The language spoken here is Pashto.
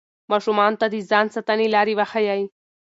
ماشومانو ته د ځان ساتنې لارې وښایئ.